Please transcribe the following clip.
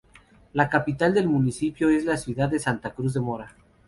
La capital del municipio es la ciudad de Santa Cruz de Mora.